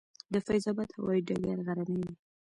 د فیض اباد هوايي ډګر غرنی دی